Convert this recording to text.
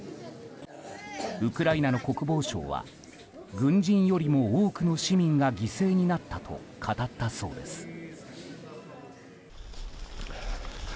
ウクライナの国防相は軍人よりも多くの市民が犠牲になったと語ったそうです。